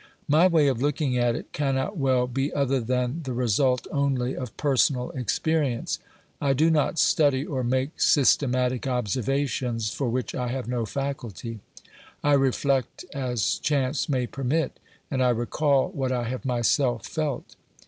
My way of looking at it cannot well be other than the result only of personal experience. I do not study or make systematic observations, for which I have no faculty. I reflect as chance may permit, and I recall what I have myself felt.